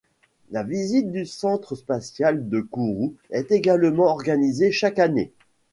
La visite du centre spatial de Kourou est également organisée chaque année.